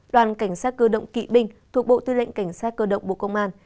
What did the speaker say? đoàn cảnh sát cơ động kỵ binh thuộc bộ tư lệnh cảnh sát cơ động bộ công an